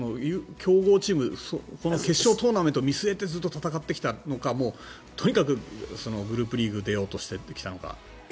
強豪チームこの決勝トーナメントを見据えてずっと戦ってきたのかもうとにかくグループリーグに出ようとして来たのか。